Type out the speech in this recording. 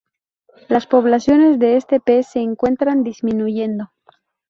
Las poblaciones de este pez se encuentran disminuyendo.